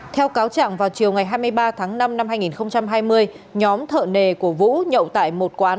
theo cáo trạng vào chiều ngày hai mươi ba tháng năm năm hai nghìn hai mươi nhóm thợ nề của vũ nhậu tại một quán